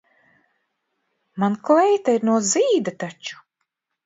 Man kleita ir no zīda taču.